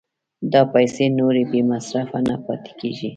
دا پیسې نورې بې مصرفه نه پاتې کېږي